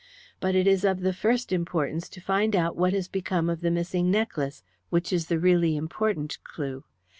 But it is of the first importance to find out what has become of the missing necklace, which is the really important clue.